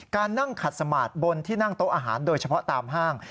นั่งขัดสมาร์ทบนที่นั่งโต๊ะอาหารโดยเฉพาะตามห้าง